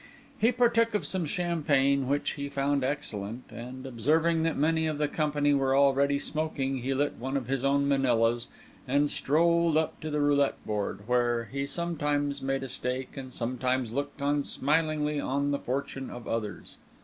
He partook of some champagne, which he found excellent; and observing that many of the company were already smoking, he lit one of his own Manillas, and strolled up to the roulette board, where he sometimes made a stake and sometimes looked on smilingly on the fortune of others.